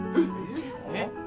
えっ！